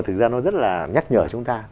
thực ra nó rất là nhắc nhở chúng ta